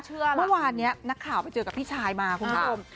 เมื่อวานนี้นักข่าวไปเจอกับพี่ชายมาคุณผู้ชม